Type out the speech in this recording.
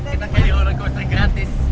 kita kayak di rollercoaster gratis